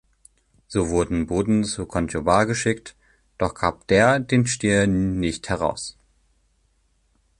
So wurden Boten zu Conchobar geschickt, doch gab der den Stier nicht heraus.